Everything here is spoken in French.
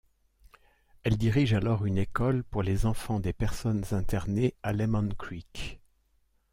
Elle dirige alors une école pour les enfants des personnes internées à Lemon Creek.